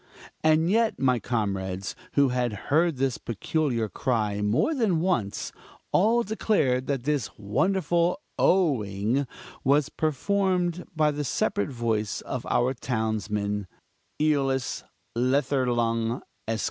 And yet my comrades, who had heard this peculiar cry more than once, all declared that this wonderful oh ing was performed by the separate voice of our townsman, Eolus Letherlung, Esq.!